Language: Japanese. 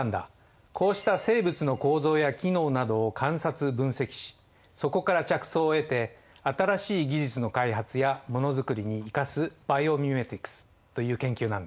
こうした生物の構造や機能などを観察・分析しそこから着想を得て新しい技術の開発やものづくりに生かすバイオミメティクスという研究なんだ。